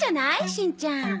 しんちゃん。